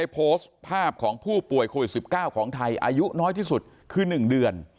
โพสต์ภาพของผู้ป่วยโควิด๑๙ของไทยอายุน้อยที่สุดคือ๑เดือน